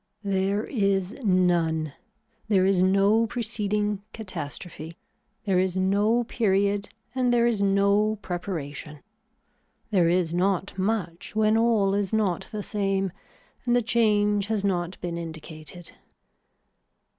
There is none, there is no preceeding catastrophe, there is no period and there is no preparation. There is not much when all is not the same and the change has not been indicated.